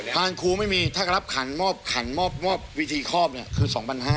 ทางครูไม่มีถ้ารับขันมอบขันมอบวิธีครอบเนี่ยคือ๒๕๐๐